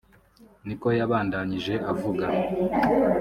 niko yabandanije avuga